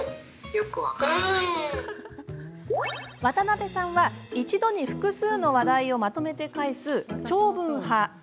渡辺さんは、一度に複数の話題をまとめて返す長文派。